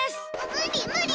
無理、無理！